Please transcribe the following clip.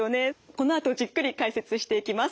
このあとじっくり解説していきます。